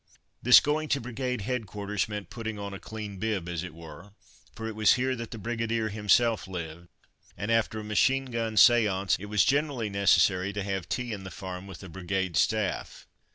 This going to Brigade Headquarters meant putting on a clean bib, as it were; for it was here that the Brigadier himself lived, and after a machine gun séance it was generally necessary to have tea in the farm with the Brigade staff.